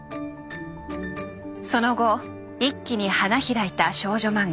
その後一気に花開いた少女マンガ。